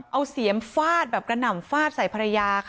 เอาเสียมฟาดแบบกระหน่ำฟาดใส่ภรรยาค่ะ